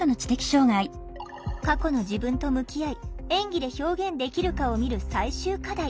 過去の自分と向き合い演技で表現できるかを見る最終課題。